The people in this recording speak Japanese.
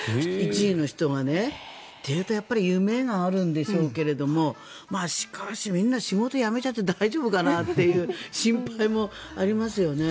１位の人がね。というとやっぱり夢があるんでしょうけどしかし、みんな仕事辞めちゃって大丈夫かなという心配もありますよね。